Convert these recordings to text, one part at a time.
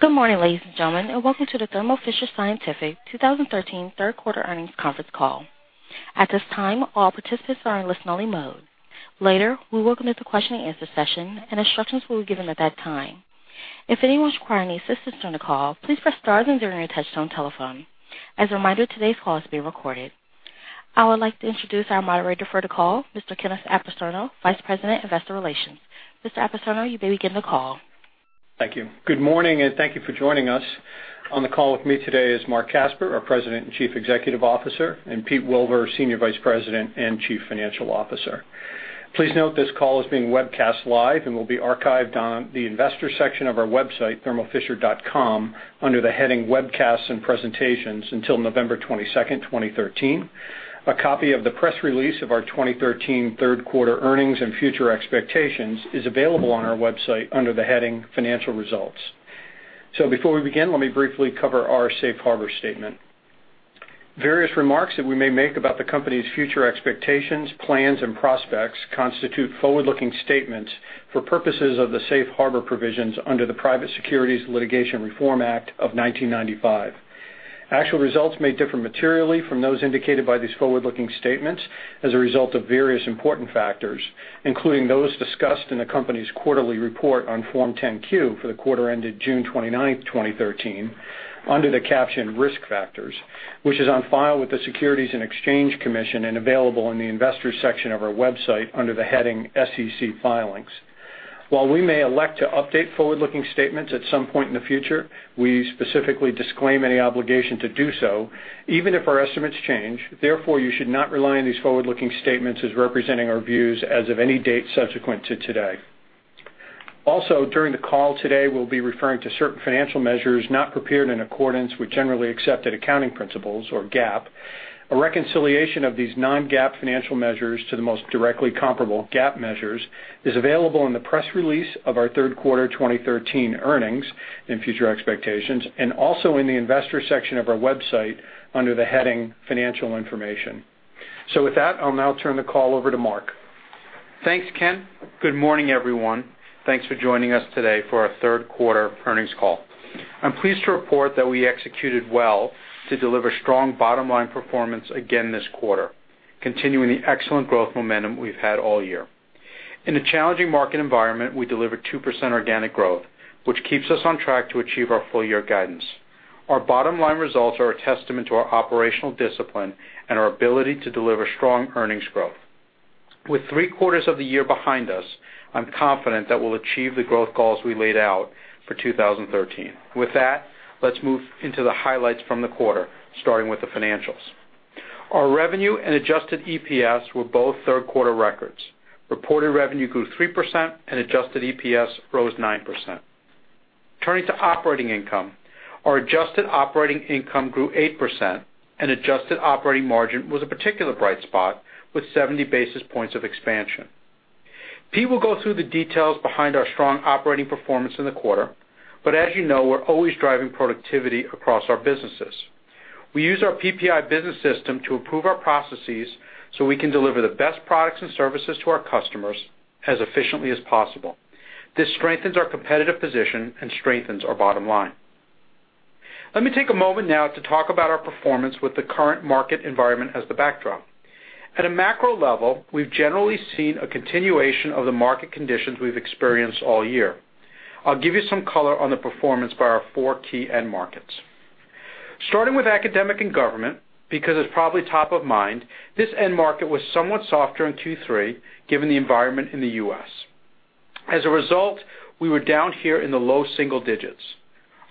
Good morning, ladies and gentlemen, and welcome to the Thermo Fisher Scientific 2013 third quarter earnings conference call. At this time, all participants are in listen-only mode. Later, we will commit to a question-and-answer session, and instructions will be given at that time. If anyone is requiring any assistance during the call, please press star zero during your touchtone telephone. As a reminder, today's call is being recorded. I would like to introduce our moderator for the call, Mr. Kenneth Apicerno, Vice President, Investor Relations. Mr. Apicerno, you may begin the call. Thank you. Good morning, and thank you for joining us. On the call with me today is Marc Casper, our President and Chief Executive Officer, and Peter Wilver, Senior Vice President and Chief Financial Officer. Please note this call is being webcast live and will be archived on the investor section of our website, thermofisher.com, under the heading Webcasts and Presentations until November 22nd, 2013. A copy of the press release of our 2013 third-quarter earnings and future expectations is available on our website under the heading Financial Results. Before we begin, let me briefly cover our safe harbor statement. Various remarks that we may make about the company's future expectations, plans, and prospects constitute forward-looking statements for purposes of the safe harbor provisions under the Private Securities Litigation Reform Act of 1995. Actual results may differ materially from those indicated by these forward-looking statements as a result of various important factors, including those discussed in the company's quarterly report on Form 10-Q for the quarter ended June 29th, 2013, under the caption Risk Factors, which is on file with the Securities and Exchange Commission and available on the investor section of our website under the heading SEC Filings. While we may elect to update forward-looking statements at some point in the future, we specifically disclaim any obligation to do so, even if our estimates change. Therefore, you should not rely on these forward-looking statements as representing our views as of any date subsequent to today. During the call today, we'll be referring to certain financial measures not prepared in accordance with generally accepted accounting principles, or GAAP. A reconciliation of these non-GAAP financial measures to the most directly comparable GAAP measures is available in the press release of our third quarter 2013 earnings and future expectations and also in the investor section of our website under the heading Financial Information. With that, I'll now turn the call over to Marc. Thanks, Ken. Good morning, everyone. Thanks for joining us today for our third quarter earnings call. I'm pleased to report that we executed well to deliver strong bottom-line performance again this quarter, continuing the excellent growth momentum we've had all year. In a challenging market environment, we delivered 2% organic growth, which keeps us on track to achieve our full-year guidance. Our bottom-line results are a testament to our operational discipline and our ability to deliver strong earnings growth. With three quarters of the year behind us, I'm confident that we'll achieve the growth goals we laid out for 2013. With that, let's move into the highlights from the quarter, starting with the financials. Our revenue and adjusted EPS were both third-quarter records. Reported revenue grew 3%, and adjusted EPS rose 9%. Turning to operating income, our adjusted operating income grew 8%, and adjusted operating margin was a particular bright spot with 70 basis points of expansion. Pete will go through the details behind our strong operating performance in the quarter. As you know, we're always driving productivity across our businesses. We use our PPI business system to improve our processes so we can deliver the best products and services to our customers as efficiently as possible. This strengthens our competitive position and strengthens our bottom line. Let me take a moment now to talk about our performance with the current market environment as the backdrop. At a macro level, we've generally seen a continuation of the market conditions we've experienced all year. I'll give you some color on the performance by our four key end markets. Starting with academic and government, because it's probably top of mind, this end market was somewhat softer in Q3, given the environment in the U.S. As a result, we were down here in the low single digits.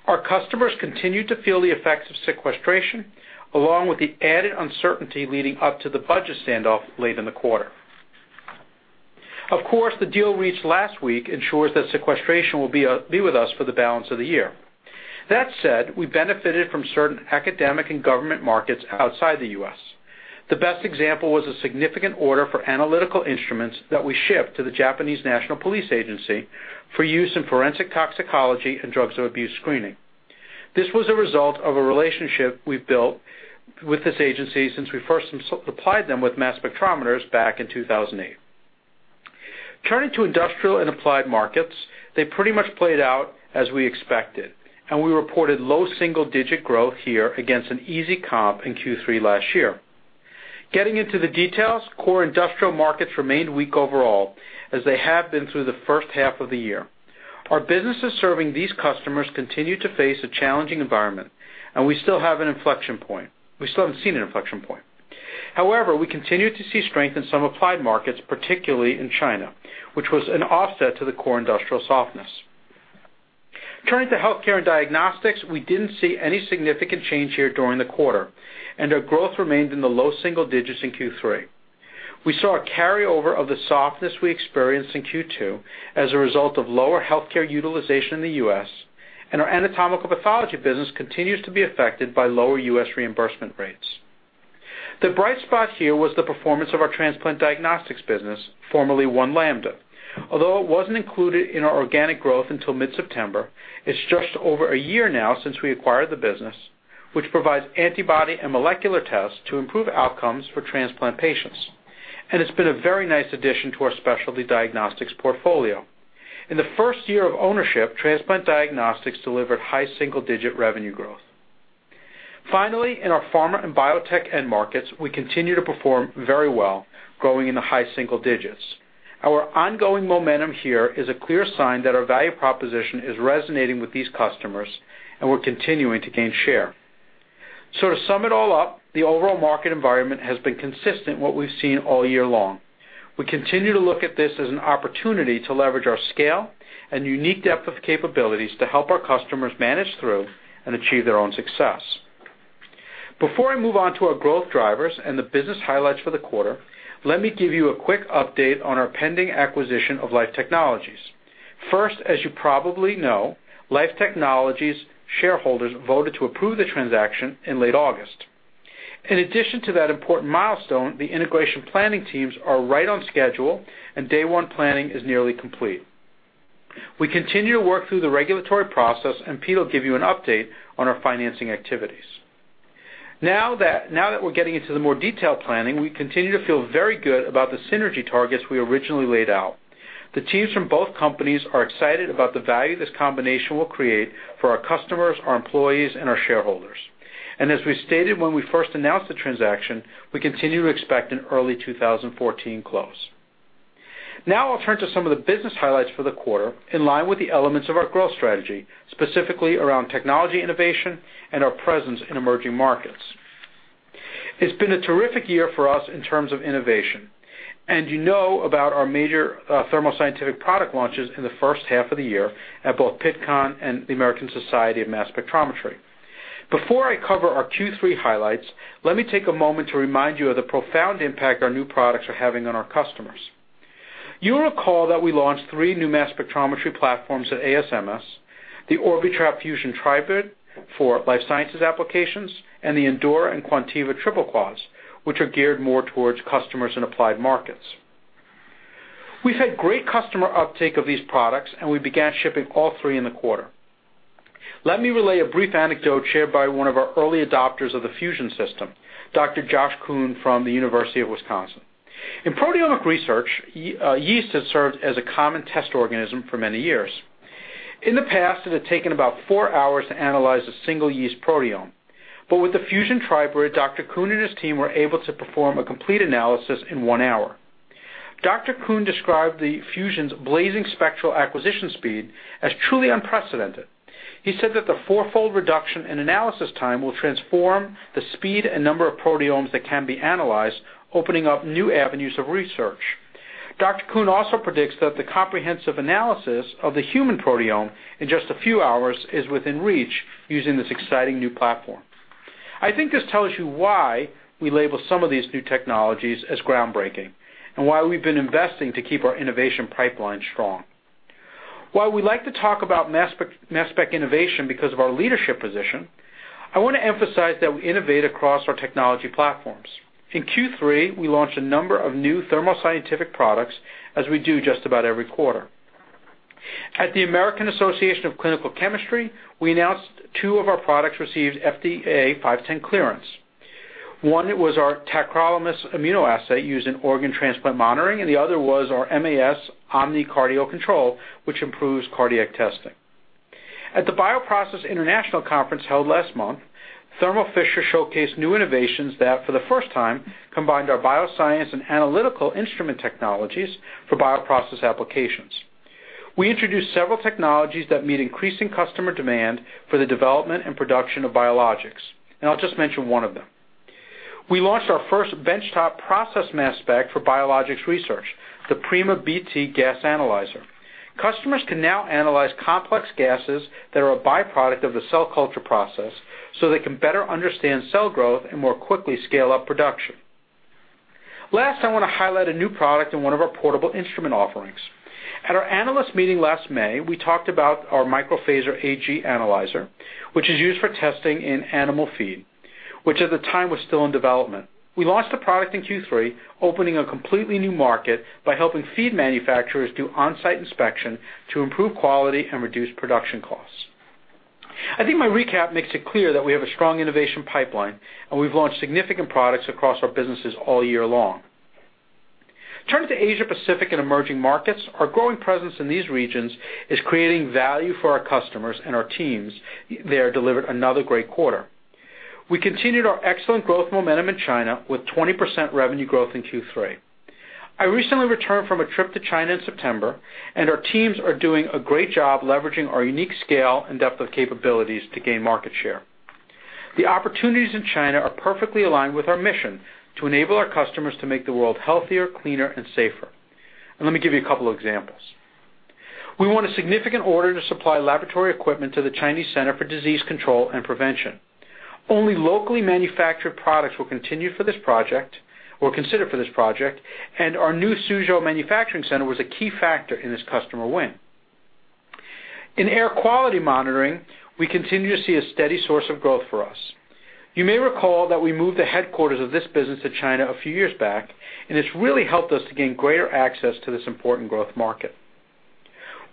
Our customers continued to feel the effects of sequestration, along with the added uncertainty leading up to the budget standoff late in the quarter. Of course, the deal reached last week ensures that sequestration will be with us for the balance of the year. That said, we benefited from certain academic and government markets outside the U.S. The best example was a significant order for analytical instruments that we shipped to the Japanese National Police Agency for use in forensic toxicology and drugs of abuse screening. This was a result of a relationship we've built with this agency since we first supplied them with mass spectrometers back in 2008. Turning to industrial and applied markets, they pretty much played out as we expected, and we reported low single-digit growth here against an easy comp in Q3 last year. Getting into the details, core industrial markets remained weak overall, as they have been through the first half of the year. Our businesses serving these customers continue to face a challenging environment, and we still haven't seen an inflection point. However, we continued to see strength in some applied markets, particularly in China, which was an offset to the core industrial softness. Turning to healthcare and diagnostics, we didn't see any significant change here during the quarter, and our growth remained in the low single digits in Q3. We saw a carryover of the softness we experienced in Q2 as a result of lower healthcare utilization in the U.S. Our anatomical pathology business continues to be affected by lower U.S. reimbursement rates. The bright spot here was the performance of our Transplant Diagnostics business, formerly One Lambda. Although it wasn't included in our organic growth until mid-September, it's just over a year now since we acquired the business, which provides antibody and molecular tests to improve outcomes for transplant patients, and it's been a very nice addition to our Specialty Diagnostics portfolio. In the first year of ownership, Transplant Diagnostics delivered high single-digit revenue growth. In our pharma and biotech end markets, we continue to perform very well, growing in the high single digits. Our ongoing momentum here is a clear sign that our value proposition is resonating with these customers, and we're continuing to gain share. To sum it all up, the overall market environment has been consistent in what we've seen all year long. We continue to look at this as an opportunity to leverage our scale and unique depth of capabilities to help our customers manage through and achieve their own success. Before I move on to our growth drivers and the business highlights for the quarter, let me give you a quick update on our pending acquisition of Life Technologies. As you probably know, Life Technologies shareholders voted to approve the transaction in late August. In addition to that important milestone, the integration planning teams are right on schedule and day one planning is nearly complete. We continue to work through the regulatory process, and Pete will give you an update on our financing activities. Now that we're getting into the more detailed planning, we continue to feel very good about the synergy targets we originally laid out. The teams from both companies are excited about the value this combination will create for our customers, our employees, and our shareholders. As we stated when we first announced the transaction, we continue to expect an early 2014 close. I'll turn to some of the business highlights for the quarter, in line with the elements of our growth strategy, specifically around technology innovation and our presence in emerging markets. It's been a terrific year for us in terms of innovation. You know about our major Thermo Scientific product launches in the first half of the year at both Pittcon and the American Society for Mass Spectrometry. Before I cover our Q3 highlights, let me take a moment to remind you of the profound impact our new products are having on our customers. You'll recall that we launched three new mass spectrometry platforms at ASMS, the Orbitrap Fusion Tribrid for life sciences applications, and the Endura and Quantiva TripleQuads, which are geared more towards customers in applied markets. We've had great customer uptake of these products, and we began shipping all three in the quarter. Let me relay a brief anecdote shared by one of our early adopters of the Fusion system, Dr. Josh Coon from the University of Wisconsin. In proteomic research, yeast has served as a common test organism for many years. In the past, it had taken about four hours to analyze a single yeast proteome. But with the Fusion Tribrid, Dr. Coon and his team were able to perform a complete analysis in one hour. Dr. Coon described the Fusion's blazing spectral acquisition speed as truly unprecedented. He said that the four-fold reduction in analysis time will transform the speed and number of proteomes that can be analyzed, opening up new avenues of research. Dr. Coon also predicts that the comprehensive analysis of the human proteome in just a few hours is within reach using this exciting new platform. I think this tells you why we label some of these new technologies as groundbreaking and why we've been investing to keep our innovation pipeline strong. While we like to talk about mass spec innovation because of our leadership position, I want to emphasize that we innovate across our technology platforms. In Q3, we launched a number of new Thermo Scientific products, as we do just about every quarter. At the American Association for Clinical Chemistry, we announced two of our products received FDA 510(k) clearance. One was our Tacrolimus immunoassay used in organ transplant monitoring, and the other was our MAS Omni Cardiac Control, which improves cardiac testing. At the BioProcess International Conference held last month, Thermo Fisher showcased new innovations that, for the first time, combined our bioscience and analytical instrument technologies for bioprocess applications. We introduced several technologies that meet increasing customer demand for the development and production of biologics, and I'll just mention one of them. We launched our first benchtop process mass spec for biologics research, the Prima BT gas analyzer. Customers can now analyze complex gases that are a byproduct of the cell culture process so they can better understand cell growth and more quickly scale up production. Last, I want to highlight a new product in one of our portable instrument offerings. At our analyst meeting last May, we talked about our microPHAZIR AG analyzer, which is used for testing in animal feed, which at the time was still in development. We launched the product in Q3, opening a completely new market by helping feed manufacturers do on-site inspection to improve quality and reduce production costs. I think my recap makes it clear that we have a strong innovation pipeline, and we've launched significant products across our businesses all year long. Turning to Asia Pacific and emerging markets, our growing presence in these regions is creating value for our customers, and our teams there delivered another great quarter. We continued our excellent growth momentum in China with 20% revenue growth in Q3. I recently returned from a trip to China in September, and our teams are doing a great job leveraging our unique scale and depth of capabilities to gain market share. The opportunities in China are perfectly aligned with our mission to enable our customers to make the world healthier, cleaner, and safer. Let me give you a couple of examples. We won a significant order to supply laboratory equipment to the Chinese Center for Disease Control and Prevention. Only locally manufactured products were considered for this project, and our new Suzhou manufacturing center was a key factor in this customer win. In air quality monitoring, we continue to see a steady source of growth for us. You may recall that we moved the headquarters of this business to China a few years back, and it's really helped us to gain greater access to this important growth market.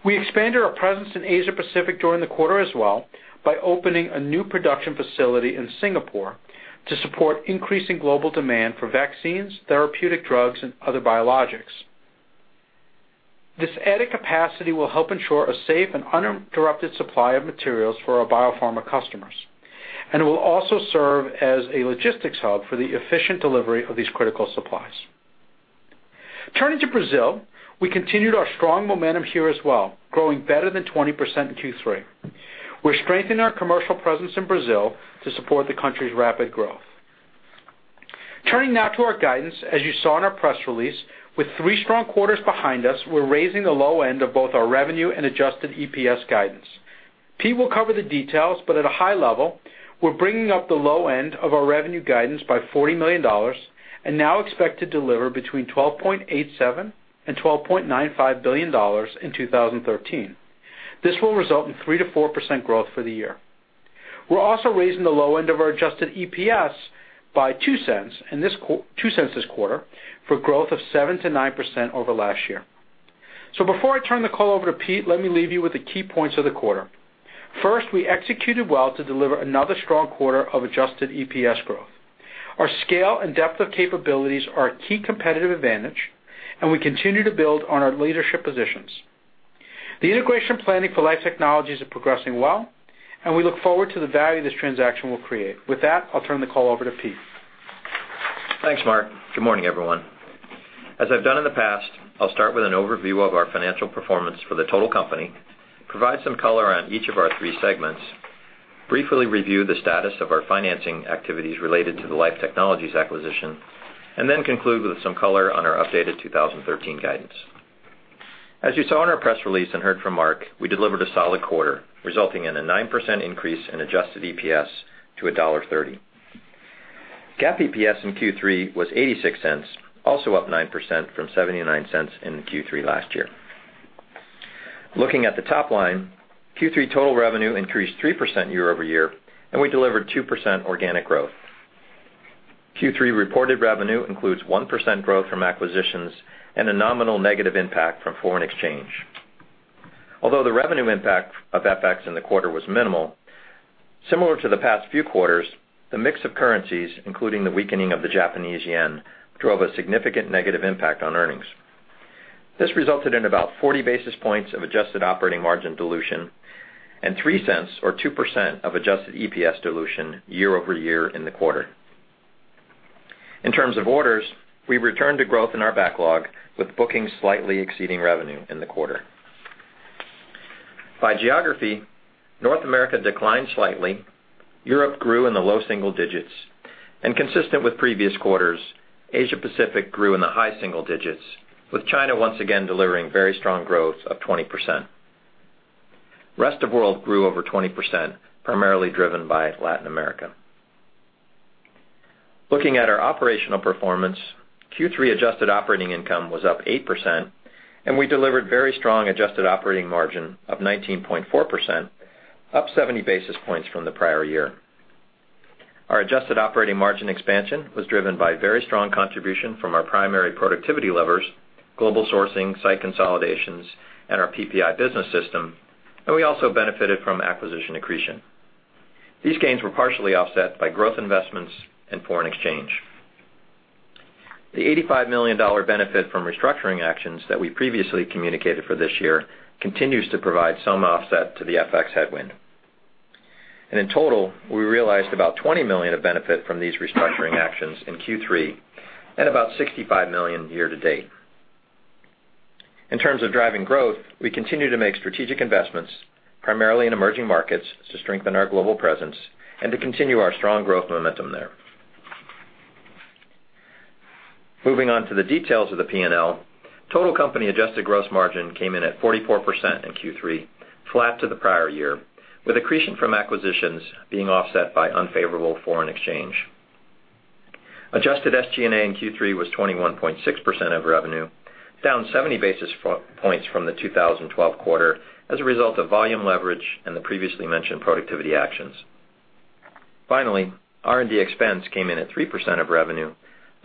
We expanded our presence in Asia Pacific during the quarter as well by opening a new production facility in Singapore to support increasing global demand for vaccines, therapeutic drugs, and other biologics. This added capacity will help ensure a safe and uninterrupted supply of materials for our biopharma customers, and it will also serve as a logistics hub for the efficient delivery of these critical supplies. Turning to Brazil, we continued our strong momentum here as well, growing better than 20% in Q3. We're strengthening our commercial presence in Brazil to support the country's rapid growth. Turning now to our guidance. As you saw in our press release, with three strong quarters behind us, we're raising the low end of both our revenue and adjusted EPS guidance. Pete will cover the details, but at a high level, we're bringing up the low end of our revenue guidance by $40 million and now expect to deliver between $12.87 billion and $12.95 billion in 2013. This will result in 3%-4% growth for the year. We're also raising the low end of our adjusted EPS by $0.02 this quarter, for growth of 7%-9% over last year. So before I turn the call over to Pete, let me leave you with the key points of the quarter. First, we executed well to deliver another strong quarter of adjusted EPS growth. Our scale and depth of capabilities are a key competitive advantage, and we continue to build on our leadership positions. The integration planning for Life Technologies are progressing well, and we look forward to the value this transaction will create. With that, I'll turn the call over to Pete. Thanks, Marc. Good morning, everyone. As I've done in the past, I'll start with an overview of our financial performance for the total company, provide some color on each of our three segments, briefly review the status of our financing activities related to the Life Technologies acquisition, and then conclude with some color on our updated 2013 guidance. As you saw in our press release and heard from Marc, we delivered a solid quarter, resulting in a 9% increase in adjusted EPS to $1.30. GAAP EPS in Q3 was $0.86, also up 9% from $0.79 in Q3 last year. Looking at the top line, Q3 total revenue increased 3% year-over-year, and we delivered 2% organic growth. Q3 reported revenue includes 1% growth from acquisitions and a nominal negative impact from foreign exchange. Although the revenue impact of FX in the quarter was minimal, similar to the past few quarters, the mix of currencies, including the weakening of the Japanese yen, drove a significant negative impact on earnings. This resulted in about 40 basis points of adjusted operating margin dilution and $0.03 or 2% of adjusted EPS dilution year-over-year in the quarter. In terms of orders, we returned to growth in our backlog with bookings slightly exceeding revenue in the quarter. By geography, North America declined slightly. Europe grew in the low single digits. Consistent with previous quarters, Asia Pacific grew in the high single digits, with China once again delivering very strong growth of 20%. Rest of world grew over 20%, primarily driven by Latin America. Looking at our operational performance, Q3 adjusted operating income was up 8%, and we delivered very strong adjusted operating margin of 19.4%, up 70 basis points from the prior year. Our adjusted operating margin expansion was driven by very strong contribution from our primary productivity levers, global sourcing, site consolidations, and our PPI business system, and we also benefited from acquisition accretion. These gains were partially offset by growth investments and foreign exchange. The $85 million benefit from restructuring actions that we previously communicated for this year continues to provide some offset to the FX headwind. In total, we realized about $20 million of benefit from these restructuring actions in Q3 and about $65 million year to date. In terms of driving growth, we continue to make strategic investments primarily in emerging markets to strengthen our global presence and to continue our strong growth momentum there. Moving on to the details of the P&L. Total company adjusted gross margin came in at 44% in Q3, flat to the prior year, with accretion from acquisitions being offset by unfavorable foreign exchange. Adjusted SG&A in Q3 was 21.6% of revenue, down 70 basis points from the 2012 quarter as a result of volume leverage and the previously mentioned productivity actions. Finally, R&D expense came in at 3% of revenue,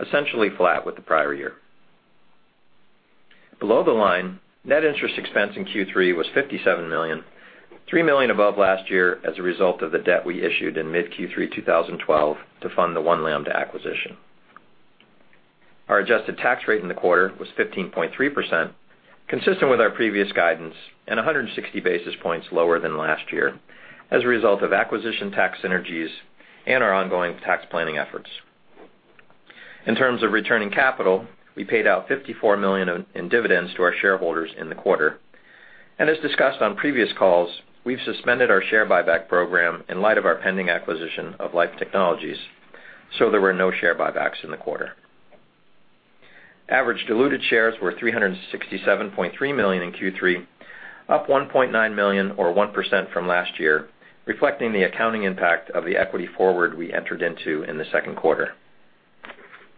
essentially flat with the prior year. Below the line, net interest expense in Q3 was $57 million, $3 million above last year as a result of the debt we issued in mid Q3 2012 to fund the One Lambda acquisition. Our adjusted tax rate in the quarter was 15.3%, consistent with our previous guidance and 160 basis points lower than last year as a result of acquisition tax synergies and our ongoing tax planning efforts. In terms of returning capital, we paid out $54 million in dividends to our shareholders in the quarter. As discussed on previous calls, we've suspended our share buyback program in light of our pending acquisition of Life Technologies, so there were no share buybacks in the quarter. Average diluted shares were 367.3 million in Q3, up 1.9 million or 1% from last year, reflecting the accounting impact of the equity forward we entered into in the second quarter.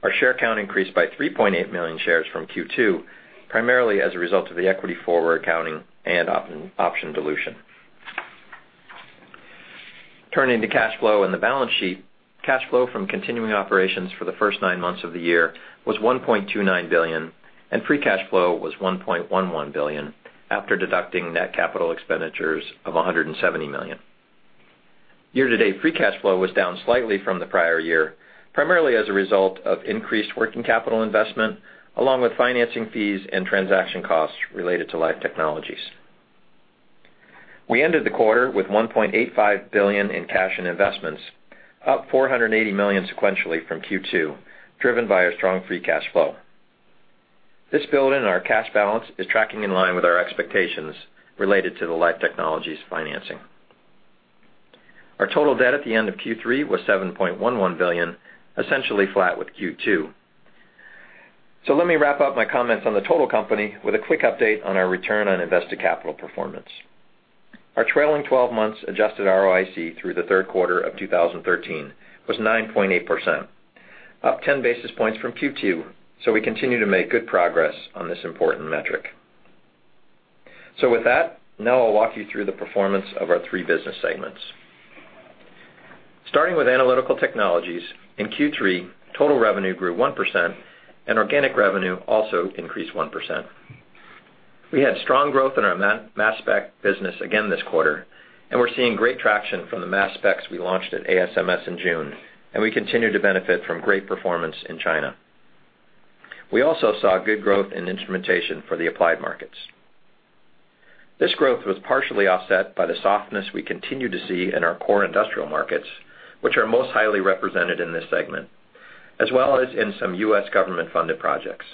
Our share count increased by 3.8 million shares from Q2, primarily as a result of the equity forward accounting and option dilution. Turning to cash flow and the balance sheet, cash flow from continuing operations for the first nine months of the year was $1.29 billion, and free cash flow was $1.11 billion, after deducting net capital expenditures of $170 million. Year-to-date free cash flow was down slightly from the prior year, primarily as a result of increased working capital investment, along with financing fees and transaction costs related to Life Technologies. We ended the quarter with $1.85 billion in cash and investments, up $480 million sequentially from Q2, driven by a strong free cash flow. This build in our cash balance is tracking in line with our expectations related to the Life Technologies financing. Our total debt at the end of Q3 was $7.11 billion, essentially flat with Q2. Let me wrap up my comments on the total company with a quick update on our return on invested capital performance. Our trailing 12 months adjusted ROIC through the third quarter of 2013 was 9.8%, up 10 basis points from Q2, we continue to make good progress on this important metric. With that, now I'll walk you through the performance of our three business segments. Starting with Analytical Technologies, in Q3, total revenue grew 1%, and organic revenue also increased 1%. We had strong growth in our mass spec business again this quarter, and we're seeing great traction from the mass specs we launched at ASMS in June, and we continue to benefit from great performance in China. We also saw good growth in instrumentation for the applied markets. This growth was partially offset by the softness we continue to see in our core industrial markets, which are most highly represented in this segment, as well as in some U.S. government-funded projects.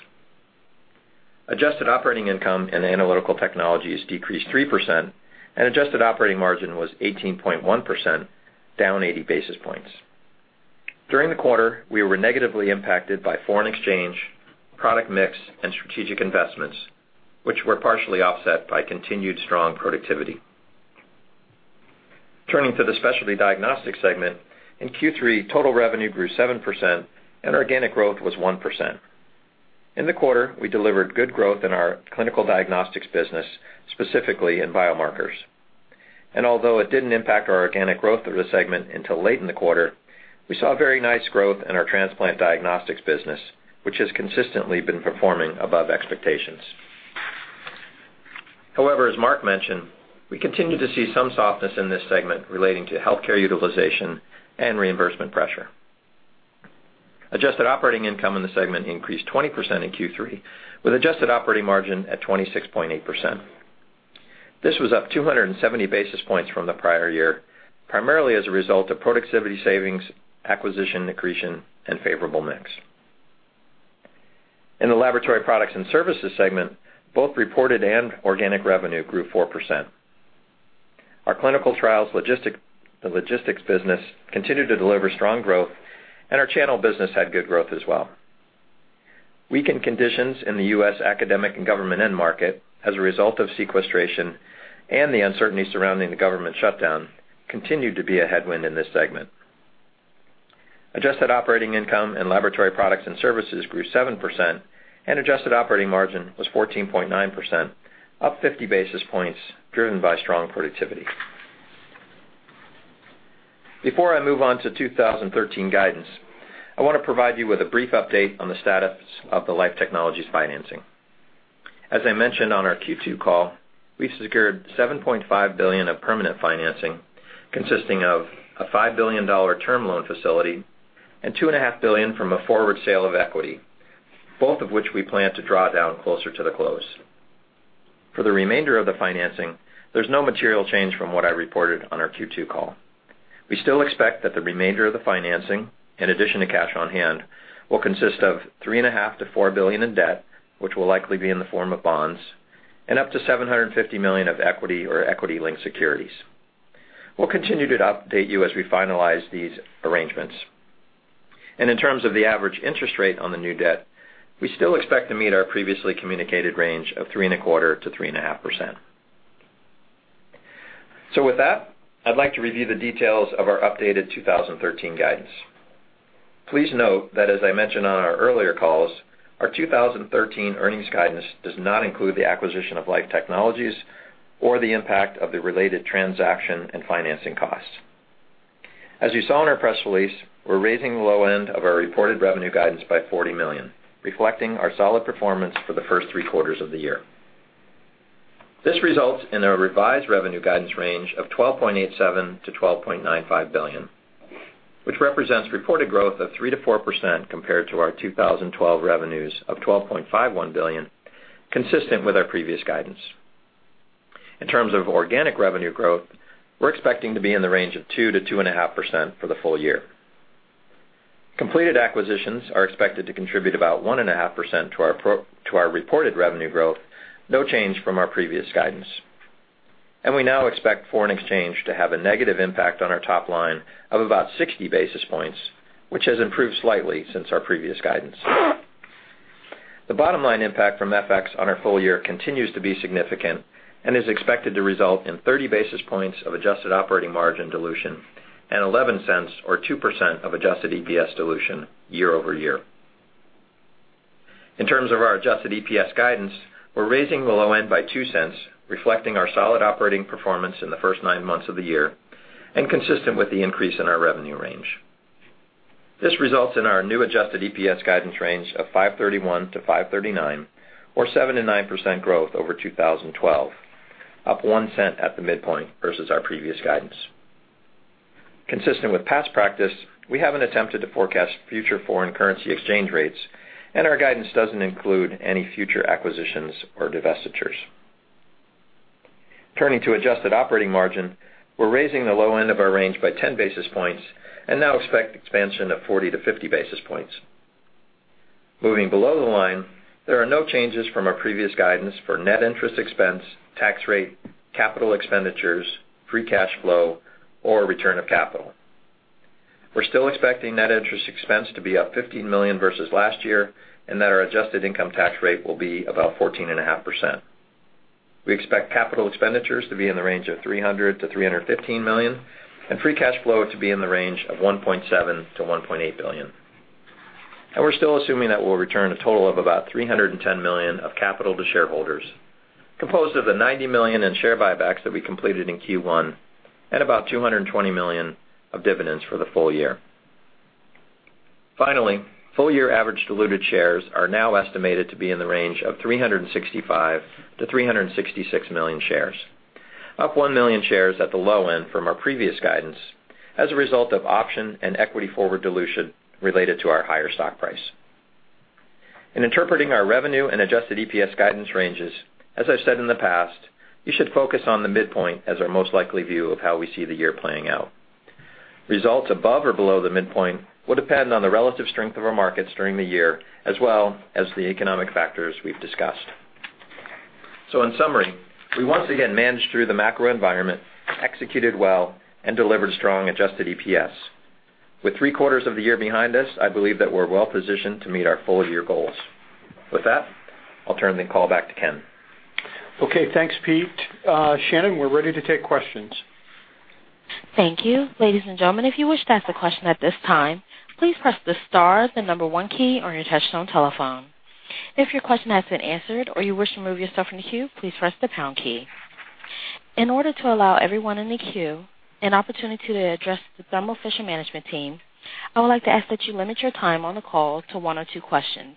Adjusted operating income in Analytical Technologies decreased 3%, and adjusted operating margin was 18.1%, down 80 basis points. During the quarter, we were negatively impacted by foreign exchange, product mix, and strategic investments, which were partially offset by continued strong productivity. Turning to the Specialty Diagnostics segment, in Q3, total revenue grew 7%, and organic growth was 1%. In the quarter, we delivered good growth in our clinical diagnostics business, specifically in biomarkers. Although it didn't impact our organic growth of the segment until late in the quarter, we saw very nice growth in our transplant diagnostics business, which has consistently been performing above expectations. However, as Marc mentioned, we continue to see some softness in this segment relating to healthcare utilization and reimbursement pressure. Adjusted operating income in the segment increased 20% in Q3, with adjusted operating margin at 26.8%. This was up 270 basis points from the prior year, primarily as a result of productivity savings, acquisition accretion, and favorable mix. In the Laboratory Products and Services segment, both reported and organic revenue grew 4%. Our clinical trials logistics business continued to deliver strong growth, and our channel business had good growth as well. Weakened conditions in the U.S. academic and government end market as a result of sequestration and the uncertainty surrounding the government shutdown continued to be a headwind in this segment. Adjusted operating income in Laboratory Products and Services grew 7%, and adjusted operating margin was 14.9%, up 50 basis points, driven by strong productivity. Before I move on to 2013 guidance, I want to provide you with a brief update on the status of the Life Technologies financing. As I mentioned on our Q2 call, we've secured $7.5 billion of permanent financing, consisting of a $5 billion term loan facility and $2.5 billion from a forward sale of equity, both of which we plan to draw down closer to the close. For the remainder of the financing, there's no material change from what I reported on our Q2 call. We still expect that the remainder of the financing, in addition to cash on hand, will consist of $3.5 billion-$4 billion in debt, which will likely be in the form of bonds, and up to $750 million of equity or equity-linked securities. We'll continue to update you as we finalize these arrangements. In terms of the average interest rate on the new debt, we still expect to meet our previously communicated range of 3.25%-3.5%. With that, I'd like to review the details of our updated 2013 guidance. Please note that as I mentioned on our earlier calls, our 2013 earnings guidance does not include the acquisition of Life Technologies or the impact of the related transaction and financing costs. As you saw in our press release, we're raising the low end of our reported revenue guidance by $40 million, reflecting our solid performance for the first three quarters of the year. This results in a revised revenue guidance range of $12.87 billion-$12.95 billion, which represents reported growth of 3%-4% compared to our 2012 revenues of $12.51 billion, consistent with our previous guidance. In terms of organic revenue growth, we're expecting to be in the range of 2%-2.5% for the full year. Completed acquisitions are expected to contribute about 1.5% to our reported revenue growth, no change from our previous guidance. We now expect foreign exchange to have a negative impact on our top line of about 60 basis points, which has improved slightly since our previous guidance. The bottom line impact from FX on our full year continues to be significant and is expected to result in 30 basis points of adjusted operating margin dilution and $0.11 or 2% of adjusted EPS dilution year-over-year. In terms of our adjusted EPS guidance, we're raising the low end by $0.02, reflecting our solid operating performance in the first nine months of the year and consistent with the increase in our revenue range. This results in our new adjusted EPS guidance range of $5.31-$5.39, or 7%-9% growth over 2012, up $0.01 at the midpoint versus our previous guidance. Consistent with past practice, we haven't attempted to forecast future foreign currency exchange rates, our guidance doesn't include any future acquisitions or divestitures. Turning to adjusted operating margin, we're raising the low end of our range by 10 basis points and now expect expansion of 40-50 basis points. Moving below the line, there are no changes from our previous guidance for net interest expense, tax rate, capital expenditures, free cash flow or return of capital. We're still expecting net interest expense to be up $15 million versus last year, and that our adjusted income tax rate will be about 14.5%. We expect capital expenditures to be in the range of $300 million-$315 million and free cash flow to be in the range of $1.7 billion-$1.8 billion. We're still assuming that we'll return a total of about $310 million of capital to shareholders, composed of the $90 million in share buybacks that we completed in Q1 and about $220 million of dividends for the full year. Finally, full-year average diluted shares are now estimated to be in the range of 365 million-366 million shares, up 1 million shares at the low end from our previous guidance as a result of option and equity forward dilution related to our higher stock price. In interpreting our revenue and adjusted EPS guidance ranges, as I've said in the past, you should focus on the midpoint as our most likely view of how we see the year playing out. Results above or below the midpoint will depend on the relative strength of our markets during the year, as well as the economic factors we've discussed. In summary, we once again managed through the macro environment, executed well and delivered strong adjusted EPS. With three quarters of the year behind us, I believe that we're well positioned to meet our full-year goals. With that, I'll turn the call back to Ken. Okay. Thanks, Pete. Shannon, we're ready to take questions. Thank you. Ladies and gentlemen, if you wish to ask a question at this time, please press the star 1 key on your touchtone telephone. If your question has been answered or you wish to remove yourself from the queue, please press the pound key. In order to allow everyone in the queue an opportunity to address the Thermo Fisher management team, I would like to ask that you limit your time on the call to one or two questions.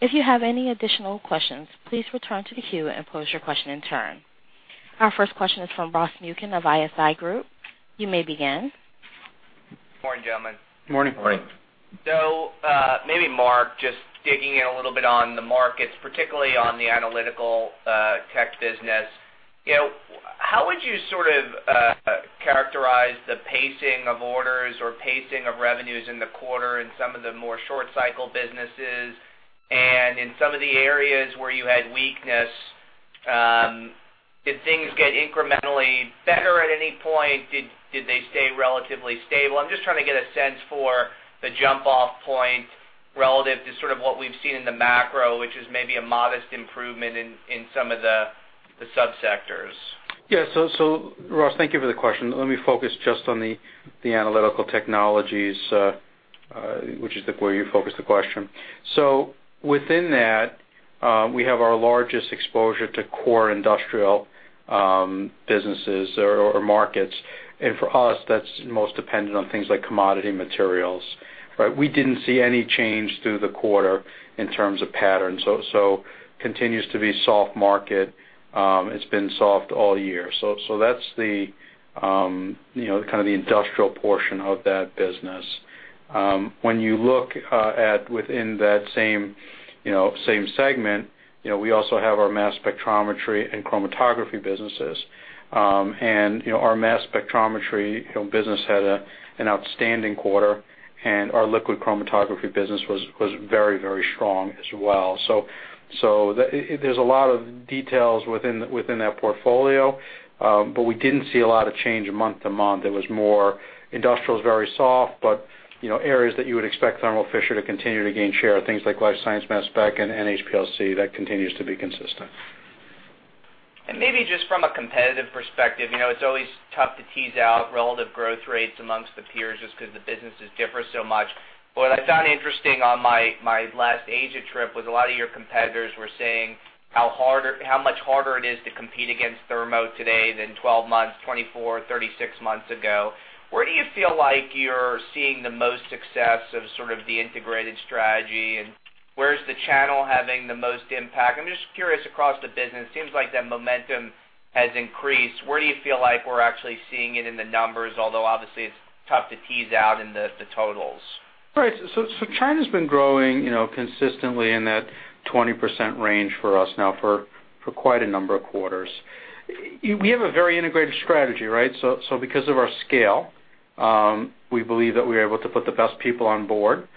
If you have any additional questions, please return to the queue and pose your question in turn. Our first question is from Ross Muken of ISI Group. You may begin. Good morning, gentlemen. Good morning. Good morning. Maybe Marc, just digging in a little bit on the markets, particularly on the Analytical Technologies business, how would you sort of characterize the pacing of orders or pacing of revenues in the quarter in some of the more short cycle businesses? In some of the areas where you had weakness, did things get incrementally better at any point? Did they stay relatively stable? I'm just trying to get a sense for the jump-off point relative to sort of what we've seen in the macro, which is maybe a modest improvement in some of the subsectors. Yeah. Ross, thank you for the question. Let me focus just on the Analytical Technologies, which is where you focused the question. Within that, we have our largest exposure to core industrial businesses or markets. For us, that's most dependent on things like commodity materials. We didn't see any change through the quarter in terms of patterns. Continues to be soft market. It's been soft all year. That's kind of the industrial portion of that business. When you look within that same segment, we also have our mass spectrometry and chromatography businesses. Our mass spectrometry business had an outstanding quarter, and our liquid chromatography business was very strong as well. There's a lot of details within that portfolio, but we didn't see a lot of change month-to-month. It was more industrial is very soft, but areas that you would expect Thermo Fisher to continue to gain share, things like life science, mass spec, and HPLC, that continues to be consistent. Maybe just from a competitive perspective, it's always tough to tease out relative growth rates amongst the peers just because the businesses differ so much. What I found interesting on my last Asia trip was a lot of your competitors were saying how much harder it is to compete against Thermo today than 12 months, 24, 36 months ago. Where do you feel like you're seeing the most success of sort of the integrated strategy, and where's the channel having the most impact? I'm just curious across the business, it seems like that momentum has increased. Where do you feel like we're actually seeing it in the numbers? Although obviously it's tough to tease out in the totals. Right. China's been growing consistently in that 20% range for us now for quite a number of quarters. We have a very integrated strategy, right? Because of our scale, we believe that we're able to put the best people on board,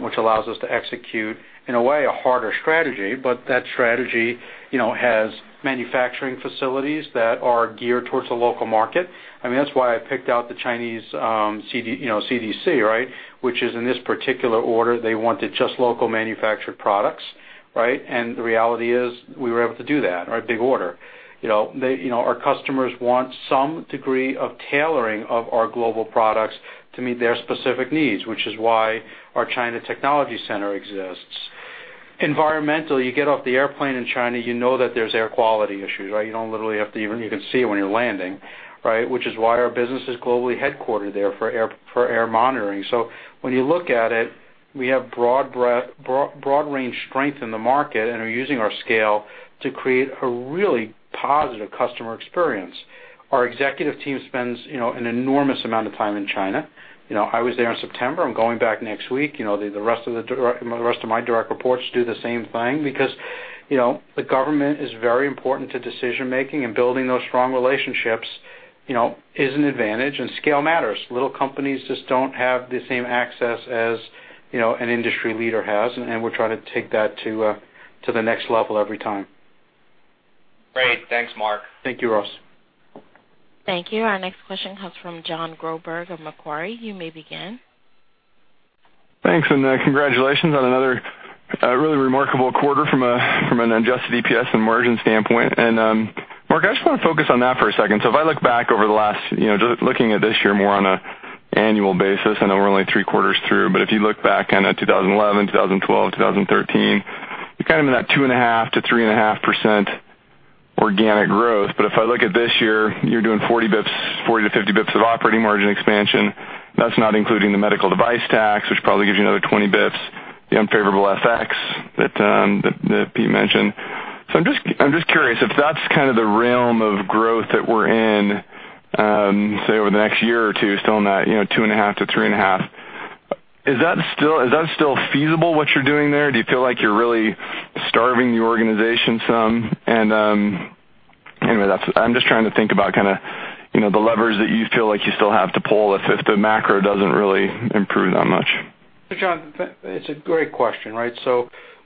which allows us to execute, in a way, a harder strategy. That strategy has manufacturing facilities that are geared towards the local market. That's why I picked out the Chinese CDC, right? Which is in this particular order, they wanted just local manufactured products, right? The reality is we were able to do that, right? Big order. Our customers want some degree of tailoring of our global products to meet their specific needs, which is why our China Technology Center exists. Environmentally, you get off the airplane in China, you know that there's air quality issues, right? You can see it when you're landing, right? Which is why our business is globally headquartered there for air monitoring. When you look at it, we have broad range strength in the market, and are using our scale to create a really positive customer experience. Our executive team spends an enormous amount of time in China. I was there in September. I'm going back next week. The rest of my direct reports do the same thing because the government is very important to decision-making, and building those strong relationships is an advantage, and scale matters. Little companies just don't have the same access as an industry leader has, and we're trying to take that to the next level every time. Great. Thanks, Marc. Thank you, Ross. Thank you. Our next question comes from John Groberg of Macquarie. You may begin. Thanks, and congratulations on another really remarkable quarter from an adjusted EPS and margin standpoint. Marc, I just want to focus on that for a second. If I look back over the last, just looking at this year more on an annual basis, I know we're only three quarters through, but if you look back on a 2011, 2012, 2013, you're kind of in that 2.5%-3.5% organic growth. If I look at this year, you're doing 40 to 50 bips of operating margin expansion. That's not including the medical device tax, which probably gives you another 20 bips, the unfavorable FX that Pete mentioned. I'm just curious if that's kind of the realm of growth that we're in, say, over the next year or two, still in that 2.5%-3.5%. Is that still feasible, what you're doing there? Do you feel like you're really starving the organization some? Anyway, I'm just trying to think about the levers that you feel like you still have to pull if the macro doesn't really improve that much. John, it's a great question, right?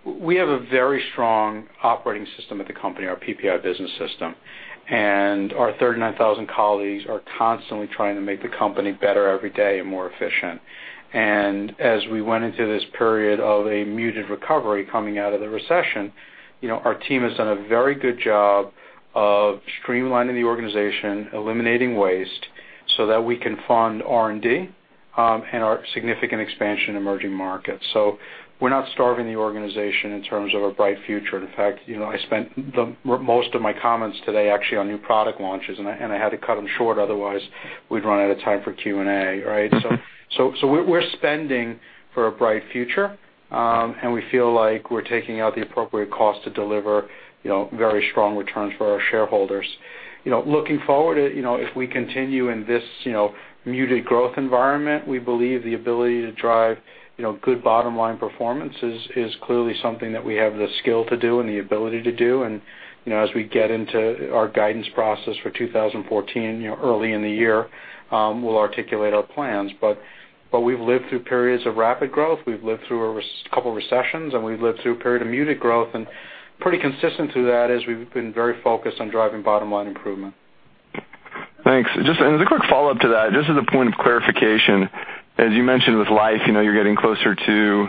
We have a very strong operating system at the company, our PPI business system. Our 39,000 colleagues are constantly trying to make the company better every day and more efficient. As we went into this period of a muted recovery coming out of the recession, our team has done a very good job of streamlining the organization, eliminating waste so that we can fund R&D, and our significant expansion in emerging markets. We're not starving the organization in terms of a bright future. In fact, I spent the most of my comments today actually on new product launches, and I had to cut them short, otherwise we'd run out of time for Q&A, right? We're spending for a bright future. We feel like we're taking out the appropriate cost to deliver very strong returns for our shareholders. Looking forward, if we continue in this muted growth environment, we believe the ability to drive good bottom-line performance is clearly something that we have the skill to do and the ability to do. As we get into our guidance process for 2014 early in the year, we'll articulate our plans. We've lived through periods of rapid growth. We've lived through a couple recessions, and we've lived through a period of muted growth. Pretty consistent to that is we've been very focused on driving bottom-line improvement. Thanks. Just as a quick follow-up to that, just as a point of clarification, as you mentioned with Life, you're getting closer to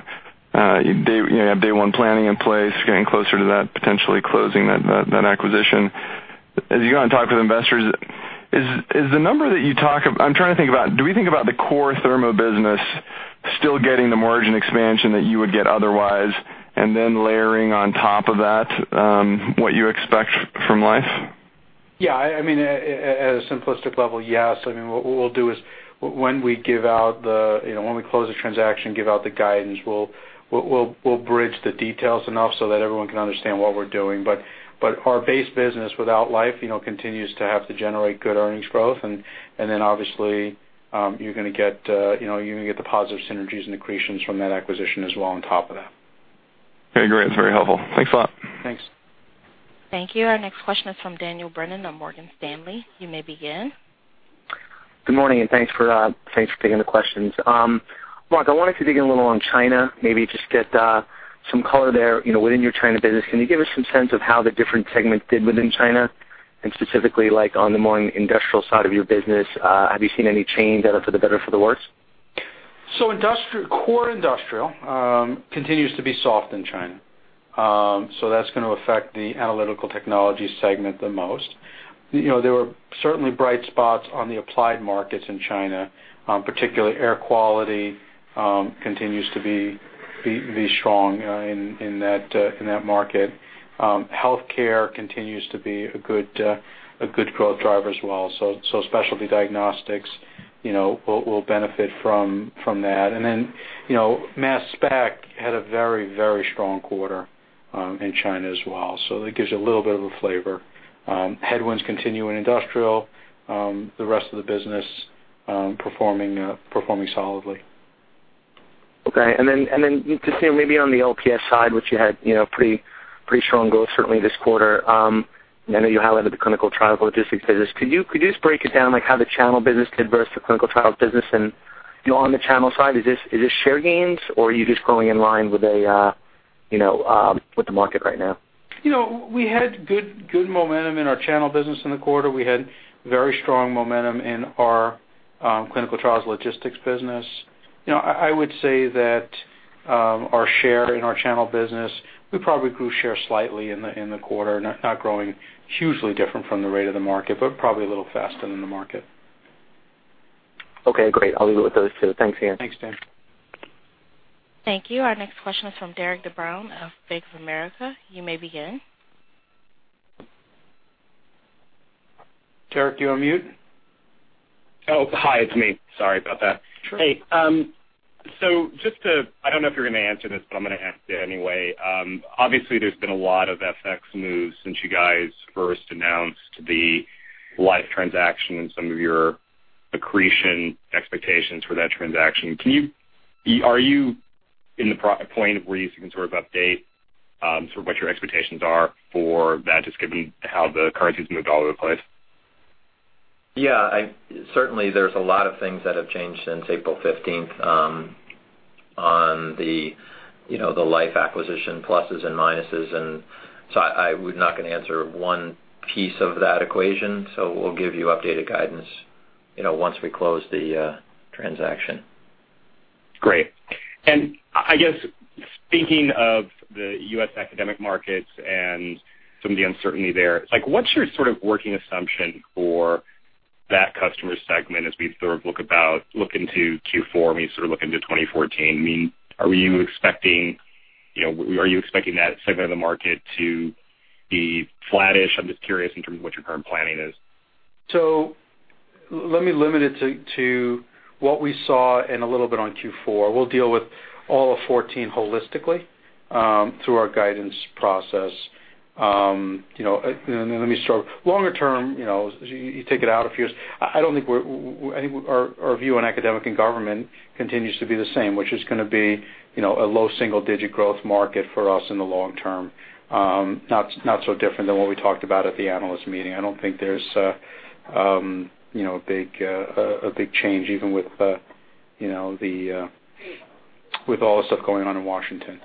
day-one planning in place, getting closer to that, potentially closing that acquisition. I'm trying to think about, do we think about the core Thermo business still getting the margin expansion that you would get otherwise, and then layering on top of that what you expect from Life? Yeah. At a simplistic level, yes. What we'll do is when we close the transaction, give out the guidance, we'll bridge the details enough so that everyone can understand what we're doing. Our base business without Life continues to have to generate good earnings growth. Obviously, you're going to get the positive synergies and accretions from that acquisition as well on top of that. Okay, great. That's very helpful. Thanks a lot. Thanks. Thank you. Our next question is from Daniel Brennan of Morgan Stanley. You may begin. Good morning. Thanks for taking the questions. Marc, I wanted to dig in a little on China, maybe just get some color there within your China business. Can you give us some sense of how the different segments did within China? Specifically, like on the more industrial side of your business, have you seen any change, either for the better or for the worse? Core industrial continues to be soft in China. That's going to affect the Analytical Technologies segment the most. There were certainly bright spots on the applied markets in China. Particularly air quality continues to be strong in that market. Healthcare continues to be a good growth driver as well. Specialty Diagnostics will benefit from that. Mass spec had a very strong quarter in China as well. That gives you a little bit of a flavor. Headwinds continue in industrial, the rest of the business performing solidly. On the LPS side, which you had pretty strong growth certainly this quarter. I know you highlighted the clinical trial logistics business. Could you just break it down, like how the channel business did versus the clinical trial business? On the channel side, is this share gains or are you just growing in line with the market right now? We had good momentum in our channel business in the quarter. We had very strong momentum in our clinical trials logistics business. I would say that our share in our channel business, we probably grew share slightly in the quarter, not growing hugely different from the rate of the market, but probably a little faster than the market. Okay, great. I'll leave it with those two. Thanks, Dan Thanks, Dan. Thank you. Our next question is from Derik de Bruin of Bank of America. You may begin. Derik, you on mute? Oh, hi. It's me. Sorry about that. Sure. Hey. I don't know if you're going to answer this, but I'm going to ask it anyway. Obviously, there's been a lot of FX moves since you guys first announced the Life transaction and some of your accretion expectations for that transaction. Are you in the point of where you can sort of update sort of what your expectations are for that, just given how the currency's moved all over the place? Yeah. Certainly, there's a lot of things that have changed since April 15th on the Life acquisition pluses and minuses. I'm not going to answer one piece of that equation. We'll give you updated guidance once we close the transaction. Great. I guess speaking of the U.S. academic markets and some of the uncertainty there, what's your sort of working assumption for that customer segment as we sort of look into Q4, when you sort of look into 2014? Are you expecting that segment of the market to be flattish? I'm just curious in terms of what your current planning is. Let me limit it to what we saw and a little bit on Q4. We'll deal with all of 2014 holistically through our guidance process. Let me start. Longer term, you take it out a few years. I think our view on academic and government continues to be the same, which is going to be a low single-digit growth market for us in the long term. Not so different than what we talked about at the analyst meeting. I don't think there's a big change even with all the stuff going on in Washington.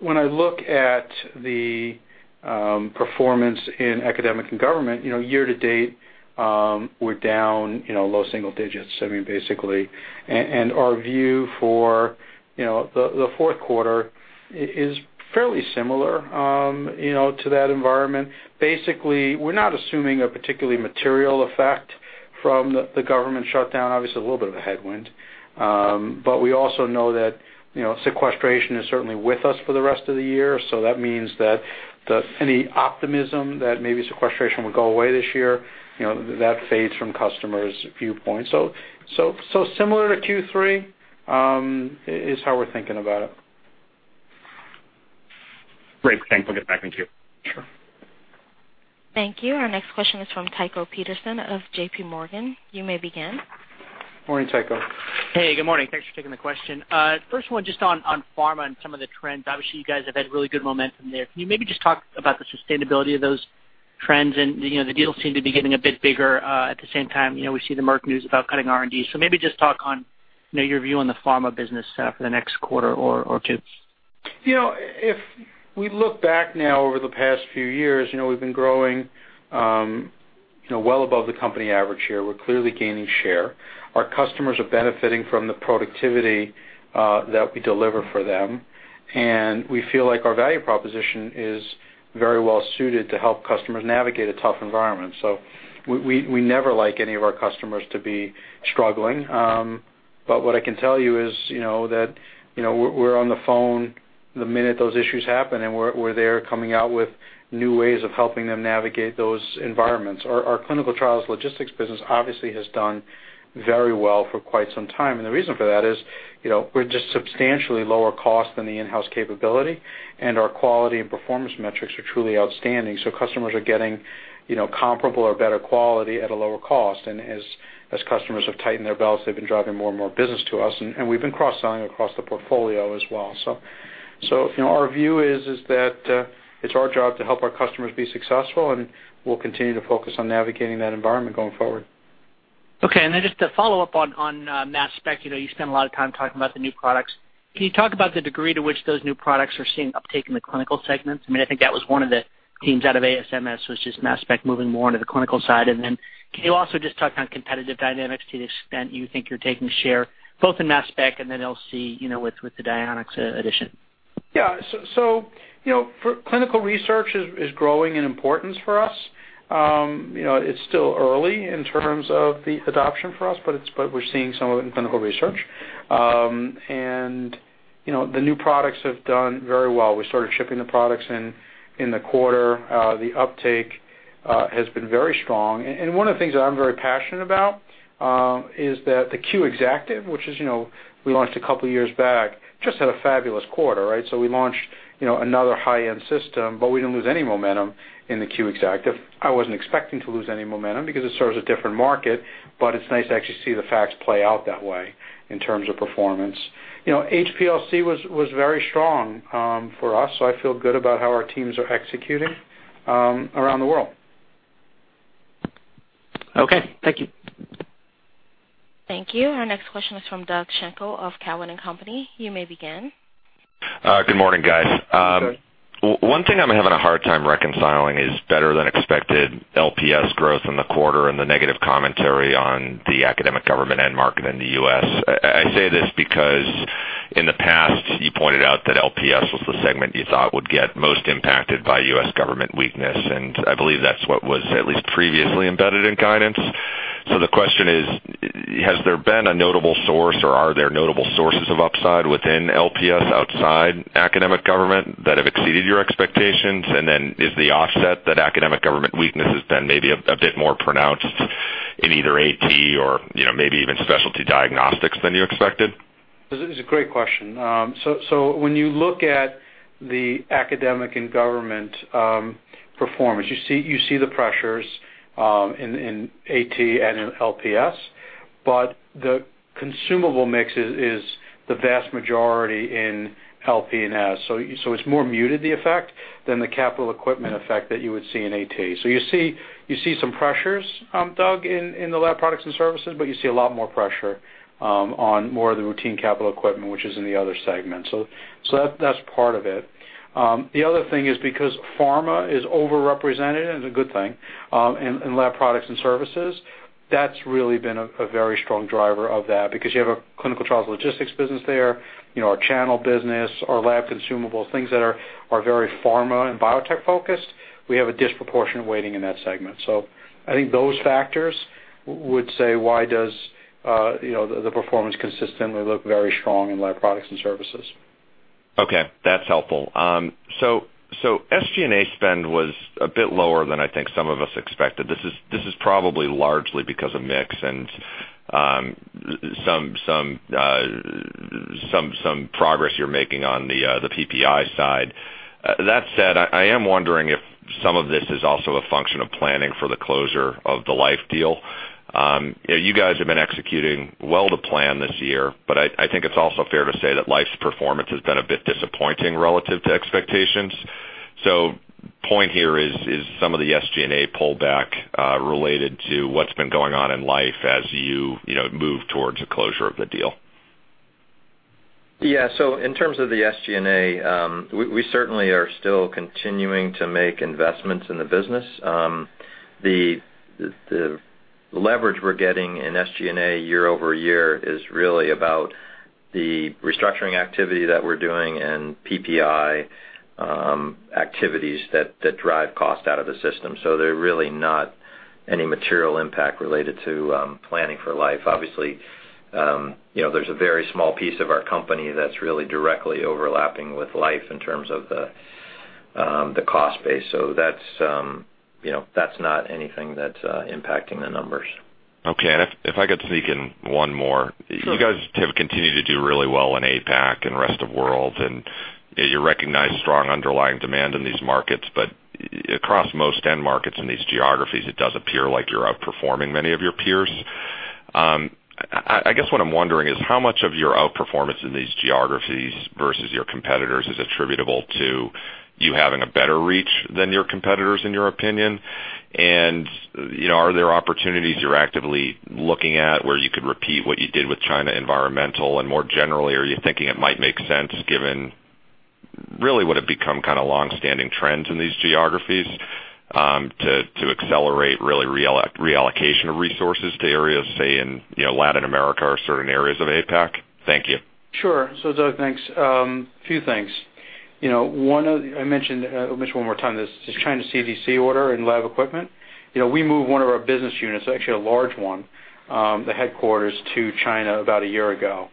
When I look at the performance in academic and government, year to date, we're down low single digits, basically. Our view for the fourth quarter is fairly similar to that environment. Basically, we're not assuming a particularly material effect from the government shutdown. Obviously, a little bit of a headwind. We also know that sequestration is certainly with us for the rest of the year. That means that any optimism that maybe sequestration would go away this year, that fades from customers' viewpoints. Similar to Q3, is how we're thinking about it. Great. Thanks. We'll get back in queue. Sure. Thank you. Our next question is from Tycho Peterson of J.P. Morgan. You may begin. Morning, Tycho. Hey, good morning. Thanks for taking the question. First one, just on pharma and some of the trends. Obviously, you guys have had really good momentum there. Can you maybe just talk about the sustainability of those trends? The deals seem to be getting a bit bigger. At the same time, we see the Merck news about cutting R&D. Maybe just talk on your view on the pharma business for the next quarter or Qs. If we look back now over the past few years, we've been growing well above the company average share. We're clearly gaining share. Our customers are benefiting from the productivity that we deliver for them, and we feel like our value proposition is very well suited to help customers navigate a tough environment. We never like any of our customers to be struggling. What I can tell you is that we're on the phone the minute those issues happen, and we're there coming out with new ways of helping them navigate those environments. Our clinical trials logistics business obviously has done very well for quite some time. The reason for that is we're just substantially lower cost than the in-house capability, and our quality and performance metrics are truly outstanding. Customers are getting comparable or better quality at a lower cost. As customers have tightened their belts, they've been driving more and more business to us. We've been cross-selling across the portfolio as well. Our view is that it's our job to help our customers be successful, and we'll continue to focus on navigating that environment going forward. Okay. Just to follow up on mass spec, you spend a lot of time talking about the new products. Can you talk about the degree to which those new products are seeing uptake in the clinical segments? I think that was one of the themes out of ASMS, was just mass spec moving more into the clinical side. Can you also just talk on competitive dynamics to the extent you think you're taking share both in mass spec and then LC with the Dionex addition? Yeah. Clinical research is growing in importance for us. It's still early in terms of the adoption for us, but we're seeing some of it in clinical research. The new products have done very well. We started shipping the products in the quarter. The uptake has been very strong. One of the things that I'm very passionate about is that the Q Exactive, which we launched a couple of years back, just had a fabulous quarter. We launched another high-end system, we didn't lose any momentum in the Q Exactive. I wasn't expecting to lose any momentum because it serves a different market, it's nice to actually see the facts play out that way in terms of performance. HPLC was very strong for us, I feel good about how our teams are executing around the world. Okay. Thank you. Thank you. Our next question is from Doug Schenkel of Cowen and Company. You may begin. Good morning, guys. Good morning. One thing I'm having a hard time reconciling is better-than-expected LPS growth in the quarter and the negative commentary on the academic government end market in the U.S. I say this because in the past, you pointed out that LPS was the segment you thought would get most impacted by U.S. government weakness, and I believe that's what was at least previously embedded in guidance. The question is, has there been a notable source, or are there notable sources of upside within LPS, outside academic government that have exceeded your expectations? Is the offset that academic government weakness has been maybe a bit more pronounced in either AT or maybe even Specialty Diagnostics than you expected? This is a great question. When you look at the academic and government performance, you see the pressures in AT and in LP&S, but the consumable mix is the vast majority in LP&S. It's more muted the effect than the capital equipment effect that you would see in AT. You see some pressures, Doug, in the Laboratory Products and Services, but you see a lot more pressure on more of the routine capital equipment, which is in the other segment. That's part of it. The other thing is because pharma is overrepresented, and a good thing, in Laboratory Products and Services, that's really been a very strong driver of that because you have a clinical trials logistics business there, our channel business, our lab consumable, things that are very pharma and biotech focused. We have a disproportionate weighting in that segment. I think those factors would say why does the performance consistently look very strong in Laboratory Products and Services. Okay, that's helpful. SG&A spend was a bit lower than I think some of us expected. This is probably largely because of mix and some progress you're making on the PPI side. That said, I am wondering if some of this is also a function of planning for the closure of the Life deal. You guys have been executing well to plan this year, but I think it's also fair to say that Life's performance has been a bit disappointing relative to expectations. Point here is some of the SG&A pullback related to what's been going on in Life as you move towards a closure of the deal? Yeah. In terms of the SG&A, we certainly are still continuing to make investments in the business. The leverage we're getting in SG&A year-over-year is really about the restructuring activity that we're doing and PPI activities that drive cost out of the system. They're really not any material impact related to planning for Life. Obviously, there's a very small piece of our company that's really directly overlapping with Life in terms of the cost base. That's not anything that's impacting the numbers. Okay. If I could sneak in one more. Sure. You guys have continued to do really well in APAC and rest of world, and you recognize strong underlying demand in these markets. Across most end markets in these geographies, it does appear like you're outperforming many of your peers. I guess what I'm wondering is how much of your outperformance in these geographies versus your competitors is attributable to you having a better reach than your competitors, in your opinion? Are there opportunities you're actively looking at where you could repeat what you did with China Environmental? More generally, are you thinking it might make sense given really what have become kind of longstanding trends in these geographies, to accelerate really reallocation of resources to areas, say, in Latin America or certain areas of APAC? Thank you. Sure. Doug, thanks. Few things. I'll mention one more time, this China CDC order and lab equipment. We moved one of our business units, actually a large one, the headquarters to China about a year ago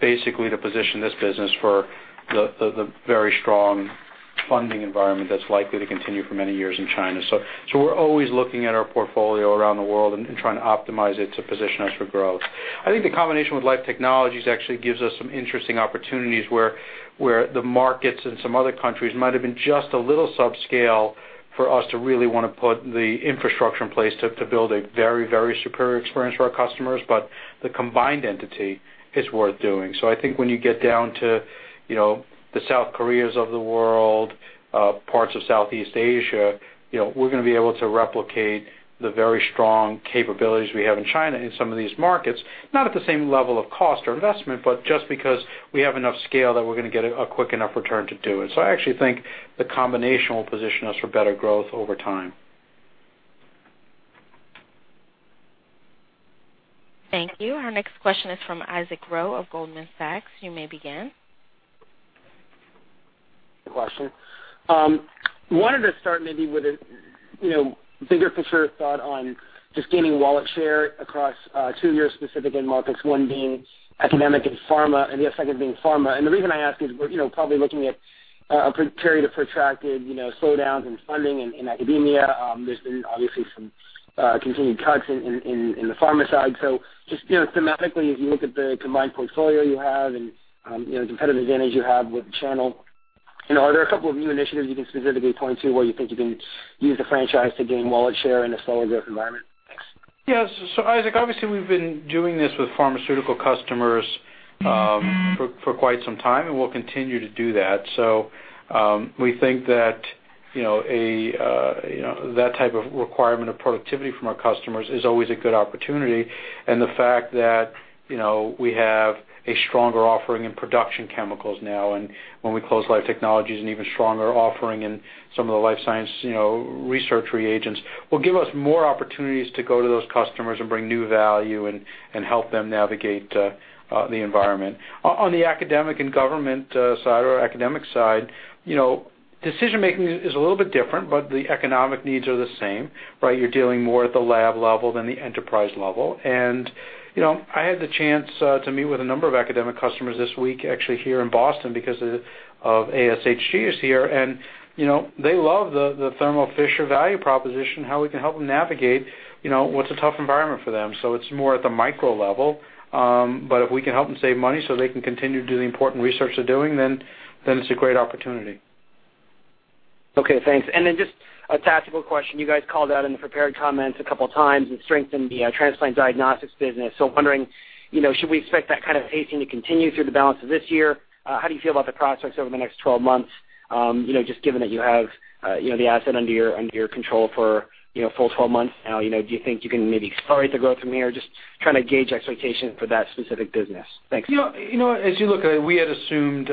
basically to position this business for the very strong funding environment that's likely to continue for many years in China. We're always looking at our portfolio around the world and trying to optimize it to position us for growth. I think the combination with Life Technologies actually gives us some interesting opportunities where the markets in some other countries might have been just a little subscale for us to really want to put the infrastructure in place to build a very superior experience for our customers. The combined entity is worth doing. I think when you get down to the South Koreas of the world, parts of Southeast Asia, we're going to be able to replicate the very strong capabilities we have in China in some of these markets, not at the same level of cost or investment, but just because we have enough scale that we're going to get a quick enough return to do it. I actually think the combination will position us for better growth over time. Thank you. Our next question is from Isaac Ro of Goldman Sachs. You may begin. Question. Wanted to start maybe with a bigger picture thought on just gaining wallet share across two of your specific end markets, one being academic and pharma, and the second being pharma. The reason I ask is we're probably looking at a period of protracted slowdowns in funding in academia. There's been obviously some continued cuts in the pharma side. Just thematically, as you look at the combined portfolio you have and competitive advantage you have with the channel, are there a couple of new initiatives you can specifically point to where you think you can use the franchise to gain wallet share in a slower growth environment? Thanks. Yes. Isaac, obviously, we've been doing this with pharmaceutical customers for quite some time, we'll continue to do that. We think that type of requirement of productivity from our customers is always a good opportunity, the fact that we have a stronger offering in production chemicals now, when we close Life Technologies an even stronger offering in some of the life science research reagents, will give us more opportunities to go to those customers and bring new value and help them navigate the environment. On the academic and government side or academic side, decision-making is a little bit different, the economic needs are the same, right? You're dealing more at the lab level than the enterprise level. I had the chance to meet with a number of academic customers this week, actually, here in Boston because of ASHG is here, they love the Thermo Fisher value proposition, how we can help them navigate what's a tough environment for them. It's more at the micro level. If we can help them save money so they can continue to do the important research they're doing, it's a great opportunity. Okay, thanks. Just a tactical question. You guys called out in the prepared comments a couple times and strengthened the transplant diagnostics business. Wondering, should we expect that kind of pacing to continue through the balance of this year? How do you feel about the prospects over the next 12 months, just given that you have the asset under your control for a full 12 months now? Do you think you can maybe accelerate the growth from here? Just trying to gauge expectations for that specific business. Thanks. As you look at it, we had assumed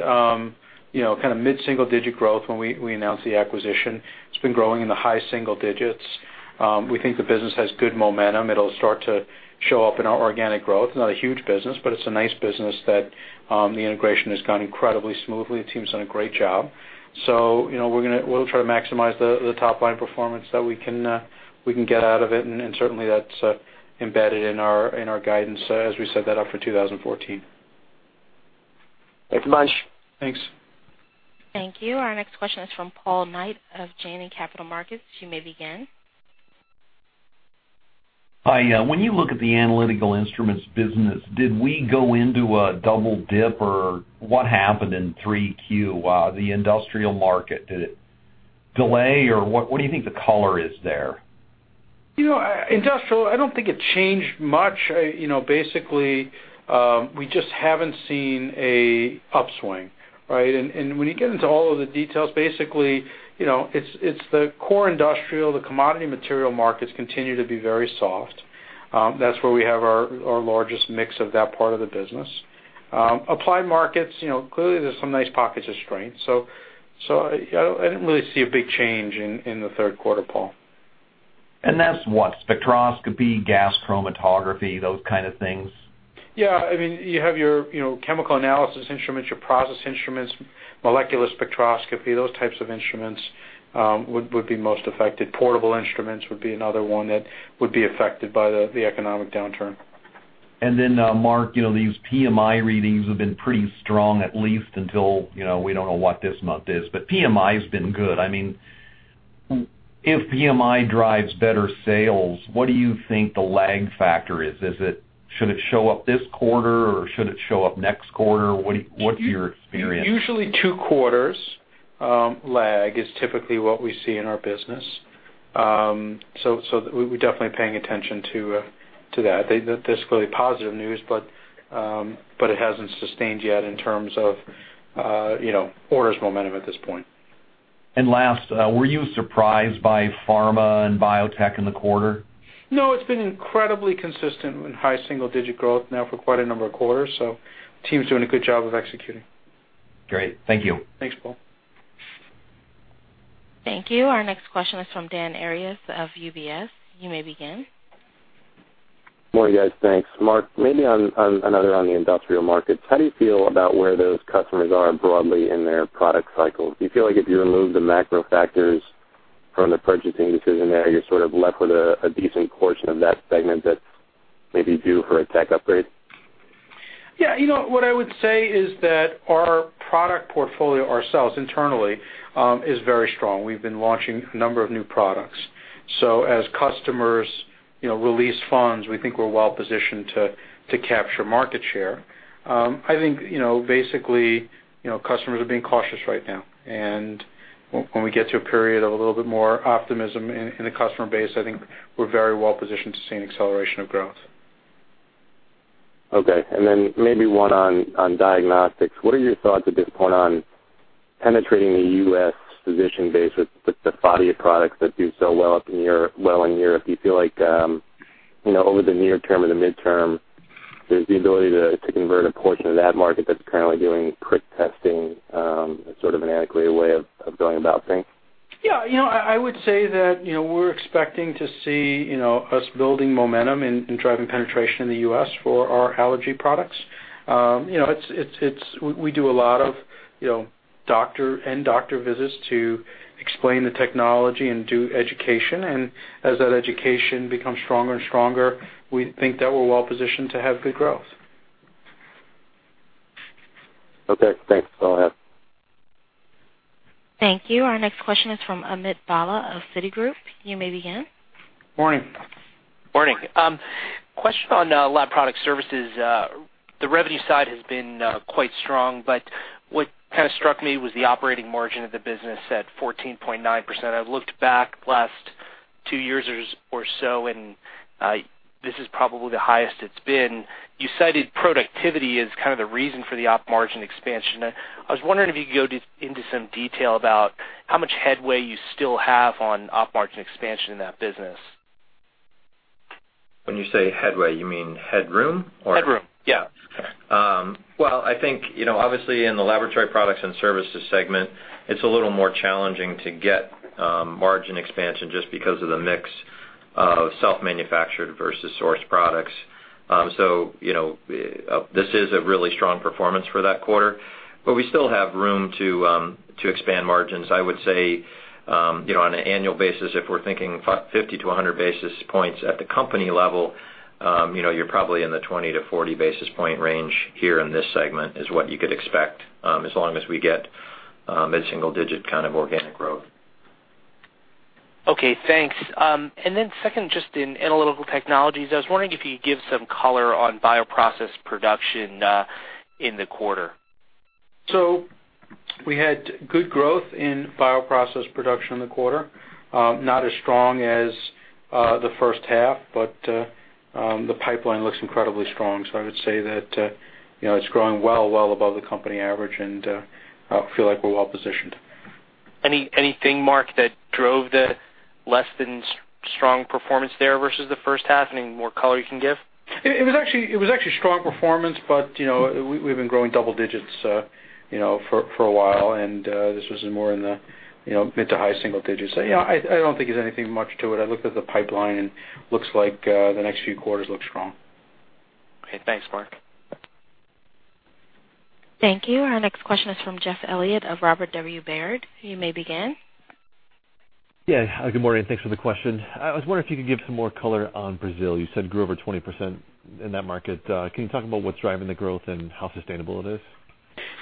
mid-single-digit growth when we announced the acquisition. It's been growing in the high single digits. We think the business has good momentum. It'll start to show up in our organic growth. Not a huge business, but it's a nice business that the integration has gone incredibly smoothly. The team's done a great job. We'll try to maximize the top-line performance that we can get out of it, and certainly that's embedded in our guidance as we set that up for 2014. Thanks a bunch. Thanks. Thank you. Our next question is from Paul Knight of Janney Montgomery Scott. You may begin. Hi. When you look at the analytical instruments business, did we go into a double dip or what happened in 3Q? The industrial market, did it delay or what do you think the color is there? Industrial, I don't think it changed much. Basically, we just haven't seen an upswing, right? When you get into all of the details, basically, it's the core industrial, the commodity material markets continue to be very soft. That's where we have our largest mix of that part of the business. Applied markets, clearly, there's some nice pockets of strength. I didn't really see a big change in the third quarter, Paul. That's what? Spectroscopy, gas chromatography, those kind of things? Yeah. You have your chemical analysis instruments, your process instruments, molecular spectroscopy, those types of instruments would be most affected. Portable instruments would be another one that would be affected by the economic downturn. Marc, these PMI readings have been pretty strong, at least until, we don't know what this month is. PMI has been good. If PMI drives better sales, what do you think the lag factor is? Should it show up this quarter, or should it show up next quarter? What's your experience? Usually two quarters lag is typically what we see in our business. We're definitely paying attention to that. That's clearly positive news, it hasn't sustained yet in terms of orders momentum at this point. Last, were you surprised by pharma and biotech in the quarter? No, it's been incredibly consistent with high single-digit growth now for quite a number of quarters, the team's doing a good job of executing. Great. Thank you. Thanks, Paul. Thank you. Our next question is from Daniel Arias of UBS. You may begin. Morning, guys. Thanks. Marc, maybe another on the industrial markets. How do you feel about where those customers are broadly in their product cycles? Do you feel like if you remove the macro factors from the purchasing decision there, you're sort of left with a decent portion of that segment that may be due for a tech upgrade? Yeah. What I would say is that our product portfolio ourselves internally is very strong. We've been launching a number of new products. As customers release funds, we think we're well positioned to capture market share. I think basically, customers are being cautious right now, and when we get to a period of a little bit more optimism in the customer base, I think we're very well positioned to see an acceleration of growth. Okay. Maybe one on diagnostics. What are your thoughts at this point on penetrating the U.S. physician base with the Phadia products that do so well in Europe? Do you feel like over the near term or the midterm, there's the ability to convert a portion of that market that's currently doing prick testing as sort of an adequate way of going about things? Yeah. I would say that we're expecting to see us building momentum and driving penetration in the U.S. for our allergy products. We do a lot of end doctor visits to explain the technology and do education, and as that education becomes stronger and stronger, we think that we're well positioned to have good growth. Okay, thanks. That's all I have. Thank you. Our next question is from Amit Bhalla of Citigroup. You may begin. Morning. Morning. Question on Lab Product Services. The revenue side has been quite strong, but what kind of struck me was the operating margin of the business at 14.9%. I've looked back the last two years or so, and this is probably the highest it's been. You cited productivity as kind of the reason for the op margin expansion. I was wondering if you could go into some detail about how much headway you still have on op margin expansion in that business. When you say headway, you mean headroom? Headroom. Yeah. Okay. Well, I think obviously in the Laboratory Products and Services segment, it's a little more challenging to get margin expansion just because of the mix of self-manufactured versus sourced products. This is a really strong performance for that quarter, but we still have room to expand margins. I would say on an annual basis, if we're thinking 50 to 100 basis points at the company level, you're probably in the 20 to 40 basis point range here in this segment is what you could expect as long as we get mid-single digit kind of organic growth. Okay, thanks. Second, just in Analytical Technologies, I was wondering if you could give some color on bioprocess production in the quarter. We had good growth in bioprocess production in the quarter. Not as strong as the first half. The pipeline looks incredibly strong. I would say that it's growing well above the company average, and I feel like we're well-positioned. Anything, Marc, that drove the less than strong performance there versus the first half? Any more color you can give? It was actually a strong performance, but we've been growing double digits for a while, and this was more in the mid to high single digits. I don't think there's anything much to it. I looked at the pipeline, and it looks like the next few quarters look strong. Okay. Thanks, Marc. Thank you. Our next question is from Jeff Elliott of Robert W. Baird. You may begin. Good morning, and thanks for the question. I was wondering if you could give some more color on Brazil. You said grew over 20% in that market. Can you talk about what's driving the growth and how sustainable it is?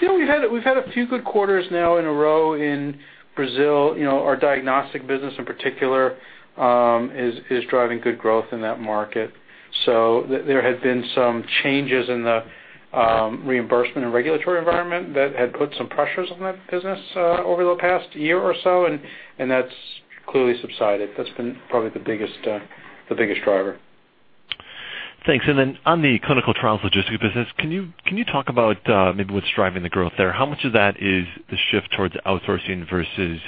Yeah, we've had a few good quarters now in a row in Brazil. Our diagnostic business in particular is driving good growth in that market. There had been some changes in the reimbursement and regulatory environment that had put some pressures on that business over the past year or so, and that's clearly subsided. That's been probably the biggest driver. Thanks. On the clinical trials logistics business, can you talk about maybe what's driving the growth there? How much of that is the shift towards outsourcing versus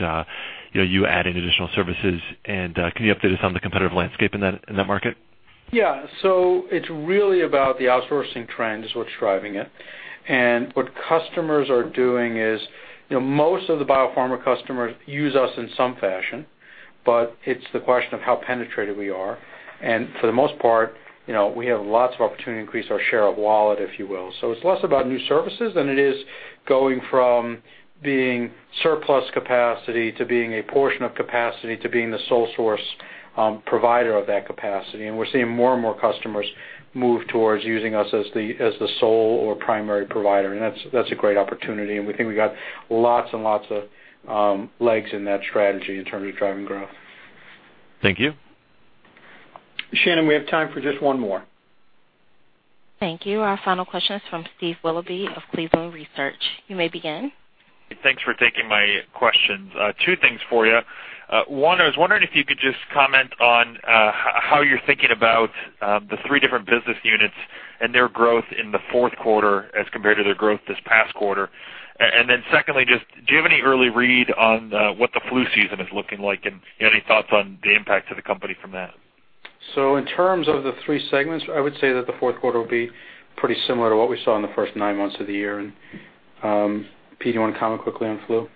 you adding additional services, and can you update us on the competitive landscape in that market? Yeah. It's really about the outsourcing trend is what's driving it. What customers are doing is most of the biopharma customers use us in some fashion, but it's the question of how penetrated we are. For the most part, we have lots of opportunity to increase our share of wallet, if you will. It's less about new services than it is going from being surplus capacity to being a portion of capacity to being the sole source provider of that capacity. We're seeing more and more customers move towards using us as the sole or primary provider. That's a great opportunity, and we think we've got lots and lots of legs in that strategy in terms of driving growth. Thank you. Shannon, we have time for just one more. Thank you. Our final question is from Steve Willoughby of Cleveland Research. You may begin. Thanks for taking my questions. Two things for you. One, I was wondering if you could just comment on how you're thinking about the three different business units and their growth in the fourth quarter as compared to their growth this past quarter. Secondly, just do you have any early read on what the flu season is looking like and you have any thoughts on the impact to the company from that? In terms of the three segments, I would say that the fourth quarter will be pretty similar to what we saw in the first nine months of the year. Pete, do you want to comment quickly on flu?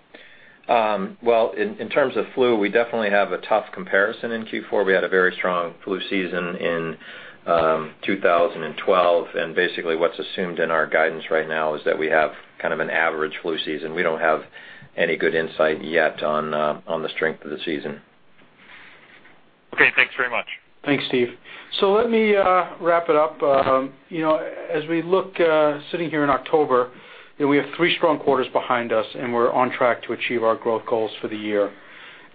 Well, in terms of flu, we definitely have a tough comparison in Q4. We had a very strong flu season in 2012, basically what's assumed in our guidance right now is that we have kind of an average flu season. We don't have any good insight yet on the strength of the season. Okay, thanks very much. Thanks, Steve. Let me wrap it up. As we look, sitting here in October, we have three strong quarters behind us, we're on track to achieve our growth goals for the year.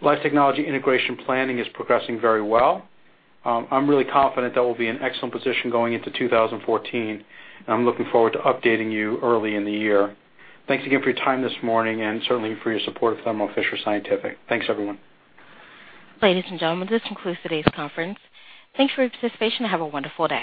Life Technologies integration planning is progressing very well. I'm really confident that we'll be in excellent position going into 2014, I'm looking forward to updating you early in the year. Thanks again for your time this morning and certainly for your support of Thermo Fisher Scientific. Thanks, everyone. Ladies and gentlemen, this concludes today's conference. Thanks for your participation and have a wonderful day.